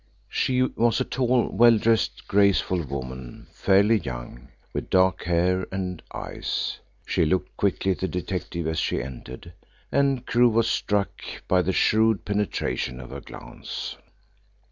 She was a tall, well dressed, graceful woman, fairly young, with dark hair and eyes. She looked quickly at the detective as she entered, and Crewe was struck by the shrewd penetration of her glance.